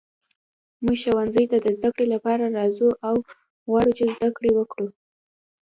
موږ ښوونځي ته د زده کړې لپاره راځو او غواړو چې زده کړې وکړو.